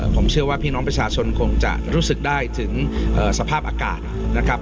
ผมเชื่อว่าพี่น้องประชาชนคงจะรู้สึกได้ถึงสภาพอากาศนะครับ